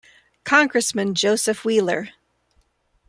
Congressman Joseph Wheeler.